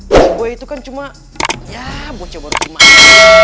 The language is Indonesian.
si boy itu kan cuma ya bocah baru dimasukin